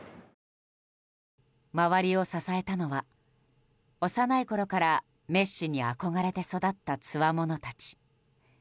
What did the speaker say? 周りを支えたのは、幼いころからメッシに憧れて育ったつわものたち。